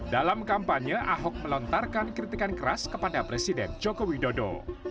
dalam kampanye ahok melontarkan kritikan keras kepada presiden joko widodo